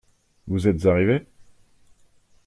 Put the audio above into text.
Vous êtes arrivé ?